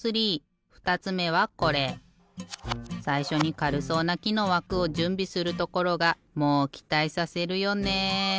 さいしょにかるそうなきのわくをじゅんびするところがもうきたいさせるよね。